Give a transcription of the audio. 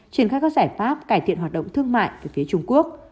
triển khai các giải pháp cải thiện hoạt động thương mại từ phía trung quốc